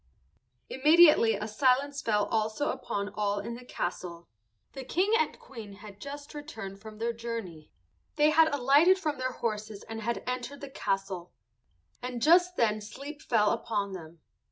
Immediately a silence fell also upon all in the castle. The King and Queen had just returned from their journey; they had alighted from their horses and had entered the castle, and just then sleep fell upon them.